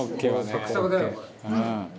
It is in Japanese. サクサクだよこれ。